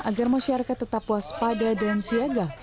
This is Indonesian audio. agar masyarakat tetap waspada dan siaga